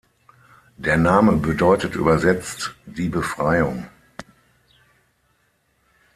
Der Name bedeutet übersetzt „Die Befreiung“.